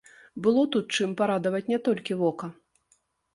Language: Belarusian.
Было тут чым парадаваць не толькі вока.